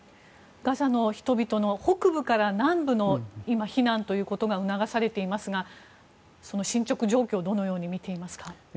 ガザの人々の北部から南部の避難ということが促されていますがその進捗状況をどのように見ていますか？